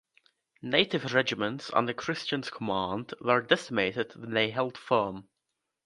Native regiments under Christians command were decimated when they held firm.